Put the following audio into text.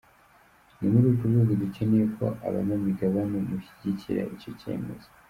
Ni muri urwo rwego dukeneye ko abanyamigabane mushyigikira icyo cyemezo.”